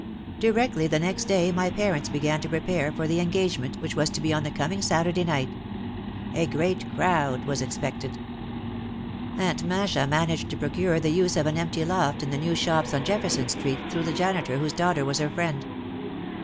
Directly the next day my parents began to prepare for the engagement which was to be on the coming Sat urday night. A great "crowd" was expected. Aunt 214 OUT OF THE SHADOW Masha managed to procure the use of an empty loft in the new shops on Jefferson Street through the janitor whose daughter was her friend.